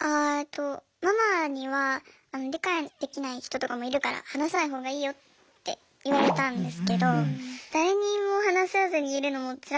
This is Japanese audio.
ママには「理解できない人とかもいるから話さない方がいいよ」って言われたんですけど誰にも話さずにいるのもつらくて。